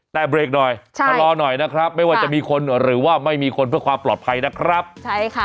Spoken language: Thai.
แต่เบรกหน่อยใช่ชะลอหน่อยนะครับไม่ว่าจะมีคนหรือว่าไม่มีคนเพื่อความปลอดภัยนะครับใช่ค่ะ